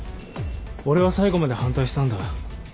俺は最後まで反対したんだ。